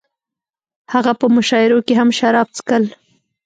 هغه په مشاعرو کې هم شراب څښل